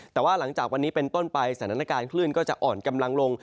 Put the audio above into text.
แต่ว่าหลังจากวันนี้เป็นต้นไปสถานการณ์คลื่นก็จะอ่อนกำลังลง